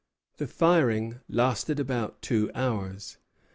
The firing lasted about two hours.